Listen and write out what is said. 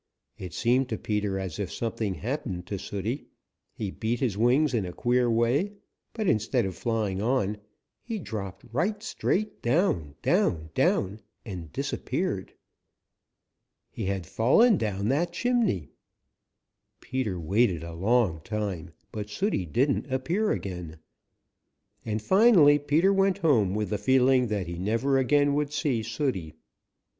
It seemed to Peter as if something happened to Sooty. He beat his wings in a queer way, but instead of flying on, he dropped right straight down, down, down, and disappeared. He had fallen down that chimney! Peter waited a long time, but Sooty didn't appear again, and finally Peter went home with the feeling that he never again would see Sooty.